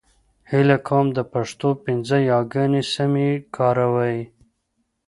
هيله کوم د پښتو پنځه يېګانې سمې کاروئ !